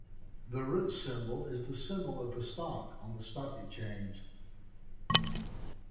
The root symbol is the symbol of the stock on the stock exchange.